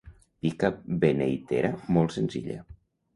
Pica beneitera molt senzilla.